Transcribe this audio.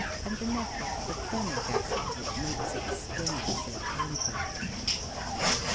173 its malic, and the nettle the formic acid which makes its sting so painful.